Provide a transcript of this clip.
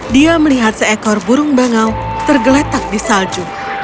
dia melihat seekor burung bangau tergeletak di salju